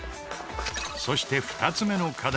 そして２つ目の課題